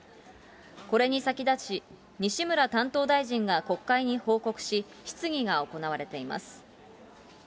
これに先立ち、西村担当大臣が国会に報告し、質疑が行われています。